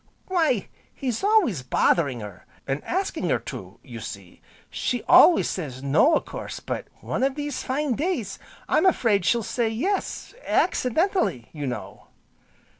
"Why he's always bothering her, an' asking her to, you see. She always says 'No' a course, but one of these fine days, I'm 'fraid she'll say 'Yes' accidentally, you know."